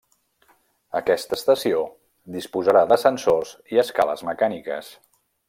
Aquesta estació disposarà d'ascensors i escales mecàniques.